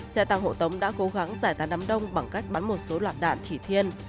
xe tăng hộ tống đã cố gắng giải tán đám đông bằng cách bắn một số lạc đạn chỉ thiên